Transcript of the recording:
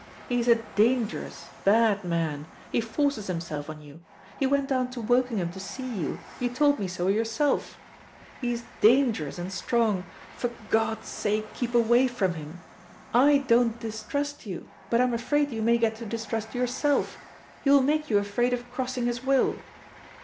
He is a dangerous, bad man. He forces himself on you. He went down to Wokingham to see you; you told me so yourself. He is dangerous and strong. For God's sake keep away from him. I don't distrust you; but I am afraid you may get to distrust yourself. He will make you afraid of crossing his will.